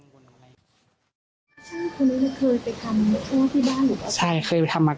คุณเคยไปทำโทษที่บ้านหรือเปล่า